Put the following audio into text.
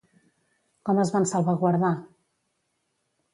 Com es van salvaguardar?